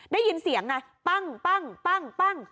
ได้ยินเสียงปั้งปั้งปั้งปั้ง